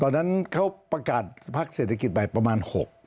ตอนนั้นเขาประกาศพักเศรษฐกิจใหม่ประมาณ๖